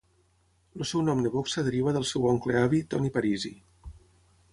El seu nom de boxa deriva del seu oncle avi Tony Parisi.